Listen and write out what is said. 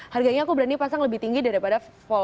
harganya aku berani pasang lebih tinggi daripada